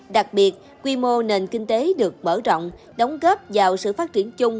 đặc biệt quy mô nền kinh tế được mở rộng đóng góp vào sự phát triển chung